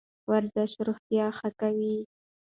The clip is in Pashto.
ورزش روغتیا ښه کوي.